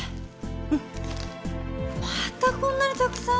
うんまたこんなにたくさん？